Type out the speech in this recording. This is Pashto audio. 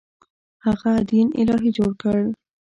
هغه دین الهي جوړ کړ.